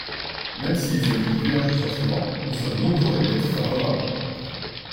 Même si les avis divergent sur ces bancs, nous sommes nombreux à y être favorables.